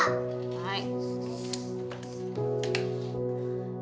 はい。